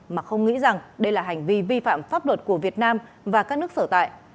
mà không nghĩ rằng đây là hành vi vi phạm pháp luật của việt nam và các nước sở tại